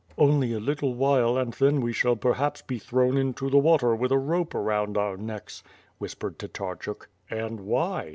"Only a little while and then we shall perhaps be thrown into the water with a rope around our necks," whispered Tatarchuk. "And why?"